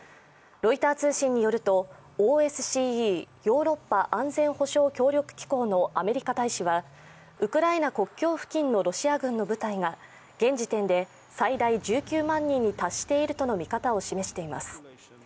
ロイター通信によると、ＯＳＣＥ＝ヨーロッパ安全保障協力機構のアメリカ大使は、ウクライナ国境付近のロシア軍の部隊が現時点で最大１９万人に達しているとの見方を示しています。